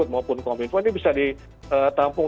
maupun kominfo ini bisa ditampung